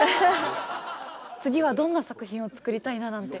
次はどんな作品を作りたいななんて。